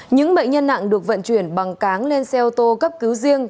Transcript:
những bệnh nhân nặng được vận chuyển bằng cáng lên xe ô tô cấp cứu riêng